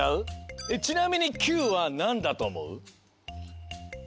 ちなみに９はなんだとおもう？